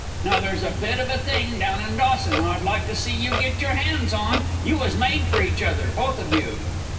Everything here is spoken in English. Now there's a bit of a thing down in Dawson I'd like to see you get your hands on. You was made for each other, both of you."